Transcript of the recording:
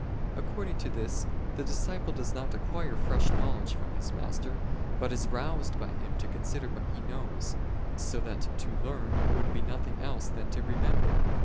According to this, the disciple does not acquire fresh knowledge from his master, but is roused by him to consider what he knows; so that to learn would be nothing else than to remember.